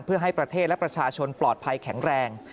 เพื่อให้ประเทศและประชาชนปลอดภัยแข็งแรง